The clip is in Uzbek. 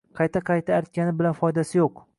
Qayta-qayta artgani bilan foydasi yo‘q.